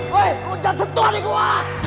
weh lo jangan setua nih gue